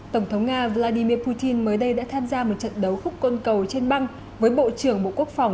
tổng thống nga vladimir putin mới đây đã tham gia một trận đấu khúc côn cầu trên băng với bộ trưởng bộ quốc phòng